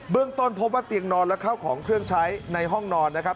ต้นพบว่าเตียงนอนและเข้าของเครื่องใช้ในห้องนอนนะครับ